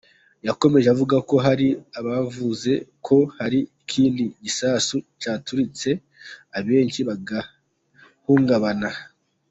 Yakomeje avuga ko hari n’abavuze ko hari ikindi gisasu cyaturitse abenshi bagahungabana.